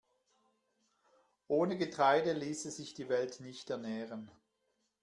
Ohne Getreide ließe sich die Welt nicht ernähren.